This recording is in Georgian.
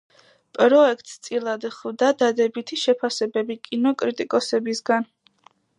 პროექტს წილად ხვდა დადებითი შეფასებები კინოკრიტიკოსებისგან.